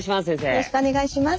よろしくお願いします。